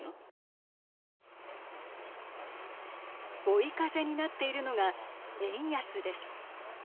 追い風になっているのが円安です。